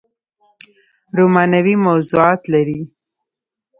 رومانوي موضوعات لري